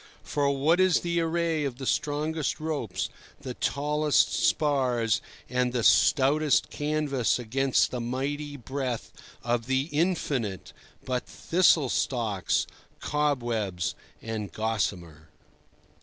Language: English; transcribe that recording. For what is the array of the strongest ropes, the tallest spars and the stoutest canvas against the mighty breath of the infinite, but thistle stalks, cobwebs and gossamer?